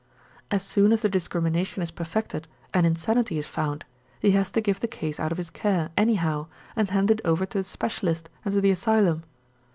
As soon as the discrimination is perfected and insanity is found, he has to give the case out of his care anyhow and hand it over to the specialist and to the asylum.